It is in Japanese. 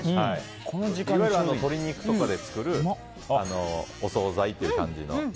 いわゆる鶏肉とかで作るお総菜という感じの。